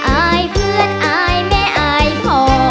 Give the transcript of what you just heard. อายเพื่อนอายแม่อายพอ